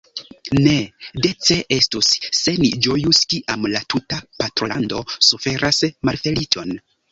Ne dece estus, se ni ĝojus, kiam la tuta patrolando suferas malfeliĉon.